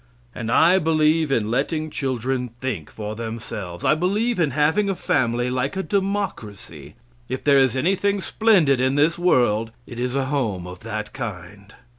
And I believe in letting children think for themselves. I believe in having a family like a democracy. If there is anything splendid in this world it is a home of that kind.